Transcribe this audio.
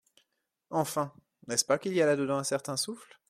Enfin, n’est-ce pas qu’il y a là dedans un certain souffle ?